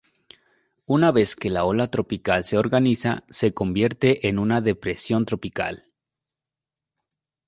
Una vez que la ola tropical se organiza, se convierte en una depresión tropical.